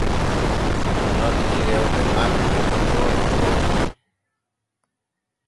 O noddi rewɓe makko gooto gooto.